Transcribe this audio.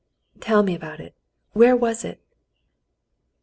"Tell me about it. Where was it?"